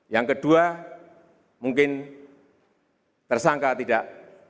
yang kedua mungkin tersangka tidak